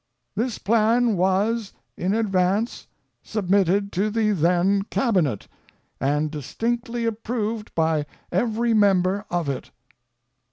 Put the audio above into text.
This plan was, in advance, submitted to the then Cabinet, and distinctly approved by every member of it.